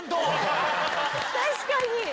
確かに。